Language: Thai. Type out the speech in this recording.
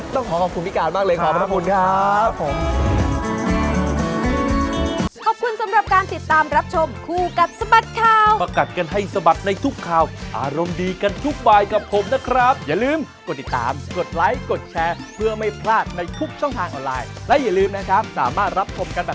ต้องขอขอบคุณพี่การมากเลยขอบพระคุณครับ